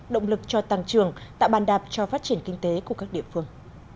động lực cho tăng trưởng tạo bàn đạp cho phát triển kinh tế của các địa phương